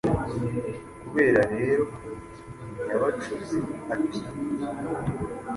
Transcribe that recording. Kubera rero ko Nyabacuzi atiyimye ingoma,